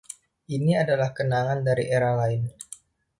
Ini adalah kenangan dari era lain.